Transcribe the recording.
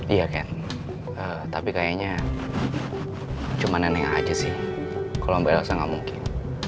iya kan tapi kayaknya cuma nenek aja sih kalau mbak elsa nggak mungkin